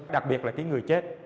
đặc biệt là cái người chết